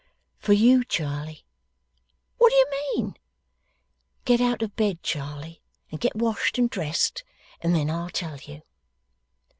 'For you, Charley.' 'What do you mean?' 'Get out of bed, Charley, and get washed and dressed, and then I'll tell you.